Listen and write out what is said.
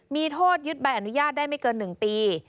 มีโทษยึดใบอนุญาตได้ไม่เกิน๑ปี